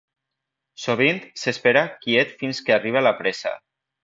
Sovint, s'espera quiet fins que arriba la presa.